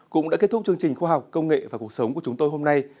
cũng đã kết thúc chương trình khoa học công nghệ và cuộc sống của chúng tôi hôm nay